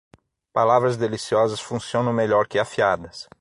Palavras deliciosas funcionam melhor que afiadas.